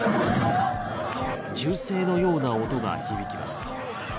銃声のような音が響きます。